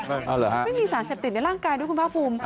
เอาเหรอฮะไม่มีสารเสพติดในร่างกายด้วยคุณภาคภูมิ